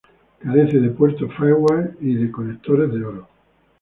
Carece de puerto firewire y de conectores de oro.